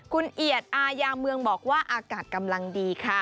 คุณเอียดอายาเมืองบอกว่าอากาศกำลังดีค่ะ